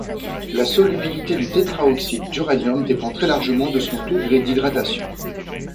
La solubilité du tétraoxyde d'uranium dépend très largement de son degré d'hydratation.